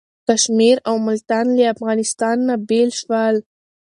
کشمیر او ملتان له افغانستان نه بیل شول.